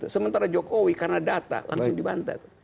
sementara jokowi karena data langsung dibantah